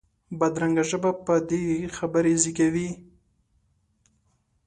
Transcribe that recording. بدرنګه ژبه بدې خبرې زېږوي